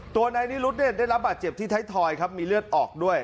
ตัวนายนิรุธได้รับบาดเจ็บที่ไทยทอยครับมีเลือดออกด้วย